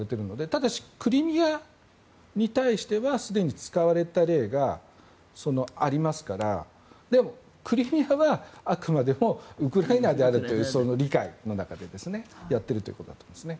ただし、クリミアに対してはすでに使われた例がありますからクリミアはあくまでもウクライナであるという理解の中でやっているということだと思いますね。